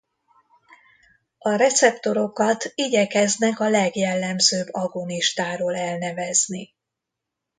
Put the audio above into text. A receptorokat igyekeznek a legjellemzőbb agonistáról elnevezni.